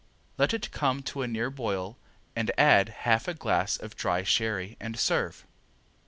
Let it come to a near boil and add half a glass of dry sherry and serve.